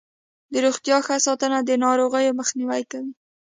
د روغتیا ښه ساتنه د ناروغیو مخنیوی کوي.